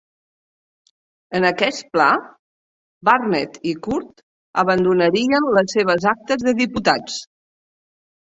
En aquest pla, Barnett i Court abandonarien les seves actes de diputats.